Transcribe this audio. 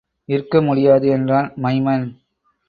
இருக்க முடியாது! என்றான் மைமன்.